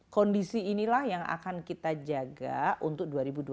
kondisi inilah yang akan kita jaga untuk dua ribu dua puluh empat